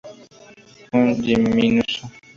Jun Mizuno